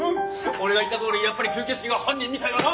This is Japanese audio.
俺が言ったとおりやっぱり吸血鬼が犯人みたいだな！